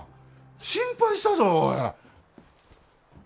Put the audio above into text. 心配したぞおい。